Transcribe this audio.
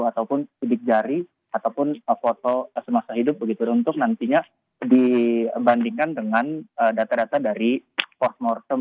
ataupun sidik jari ataupun foto semasa hidup begitu untuk nantinya dibandingkan dengan data data dari force mortem